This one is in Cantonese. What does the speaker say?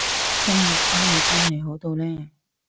今日天氣真係好到呢